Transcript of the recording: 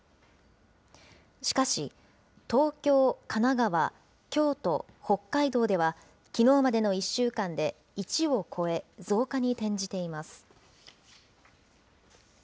しかし、東京、神奈川、京都、北海道では、きのうまでの１週間で１を超え、増加に転じています。